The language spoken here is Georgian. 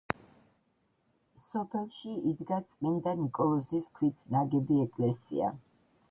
სოფელში იდგა წმინდა ნიკოლოზის ქვით ნაგები ეკლესია.